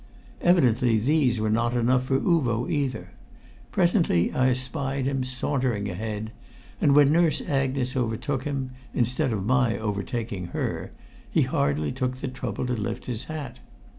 Evidently these were not enough for Uvo either; presently I espied him sauntering ahead, and when Nurse Agnes overtook him, instead of my overtaking her, he hardly took the trouble to lift his hat.